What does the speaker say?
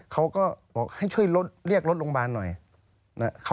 เขาก็บอกให้ช่วยเรียกรถโรงพยาบาลหน่อย